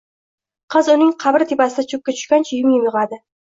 Qiz uning qabri tepasida choʻkka tushgancha yum-yum yigʻladi.